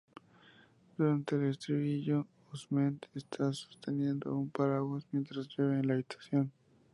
Durante el estribillo, Osment está sosteniendo un paraguas mientras llueve en la habitación.